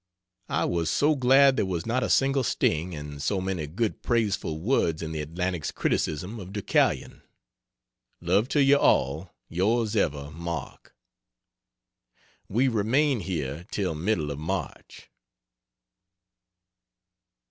I was so glad there was not a single sting and so many good praiseful words in the Atlantic's criticism of Deukalion. Love to you all Yrs Ever MARK We remain here till middle of March.